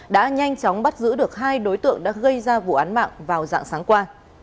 đã nhanh chóng bắt giữ được hai đối tượng đã gây ra vụ án mạng vào dạng sáng qua